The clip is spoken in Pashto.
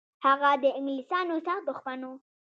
هغه د انګلیسانو سخت دښمن و.